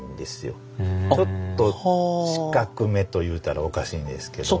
ちょっと四角めと言うたらおかしいんですけども。